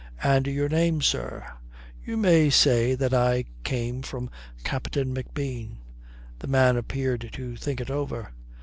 "And your name, sir?" "You may say that I came from Captain McBean." The man appeared to think it over.